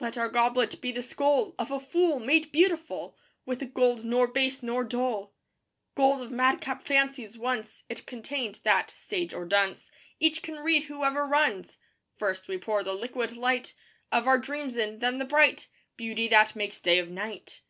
Let our goblet be the skull Of a fool; made beautiful With a gold nor base nor dull: Gold of madcap fancies, once It contained, that, sage or dunce, Each can read whoever runs. First we pour the liquid light Of our dreams in; then the bright Beauty that makes day of night.